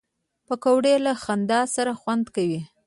پکورې له خندا سره خوند کوي